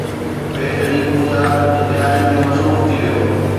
پيٽ جي پوڄا جي تيارين ۾ مصروف ٿي ويو